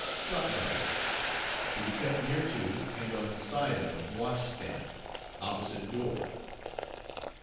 SLOP BUCKET To be kept near to and on side of Wash stand, opposite door.